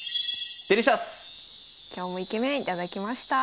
今日もイケメン頂きました。